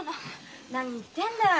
何言ってんだ。